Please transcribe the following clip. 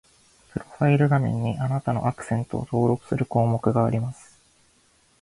プロファイル画面に、あなたのアクセントを登録する項目があります